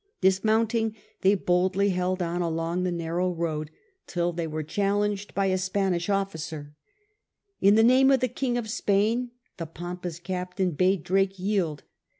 Dismounting, they boldly held on along the narrow road till they were challenged in CAPTURE OF VENTA CRUZ 41 by a Spanish officer. In the name of the King of Spain the pompous captain bade Drake yield.